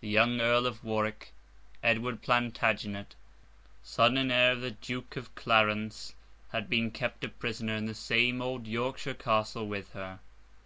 The young Earl of Warwick, Edward Plantagenet, son and heir of the late Duke of Clarence, had been kept a prisoner in the same old Yorkshire Castle with her.